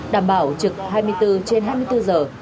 đảm bảo trực hai mươi bốn trên hai mươi bốn giờ